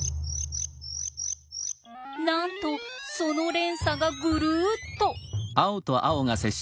なんとその連鎖がぐるっと。